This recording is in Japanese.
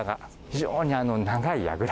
非常に長い櫓。